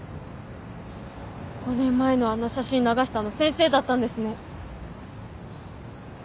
５年前のあの写真流したの先生だったんですね。